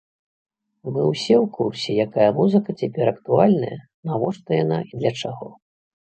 Мы ўсе ў курсе, якая музыка цяпер актуальная, навошта яна і для чаго.